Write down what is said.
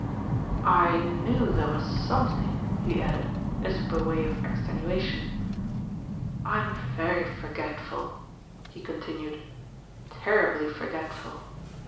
"I knew there was something," he added, as if by way of extenuation. "I'm very forgetful," he con tinued, "terribly forgetful.